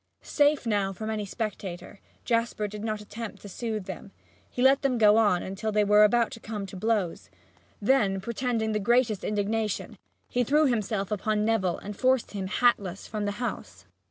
Safe now from any spectator, Jasper did not attempt to soothe them. He let them go on until they were about to come to blows. Then, pretending the greatest indignation, he threw himself upon Neville and forced him, hatless, from the house.